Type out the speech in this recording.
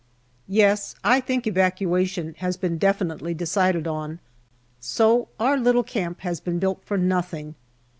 Yes, I think evacuation has been definitely decided on, so our little camp has been built for nothing.